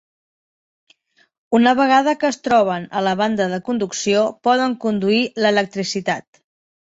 Una vegada que es troben a la banda de conducció poden conduir l'electricitat.